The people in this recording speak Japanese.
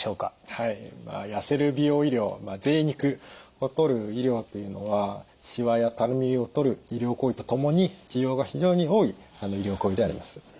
はい痩せる美容医療ぜい肉をとる医療というのはしわやたるみをとる医療行為とともに需要が非常に多い医療行為であります。